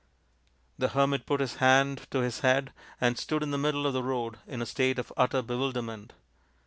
The hermit put his hand to his head and stood in the middle of the road in a state of utter bewilder ment.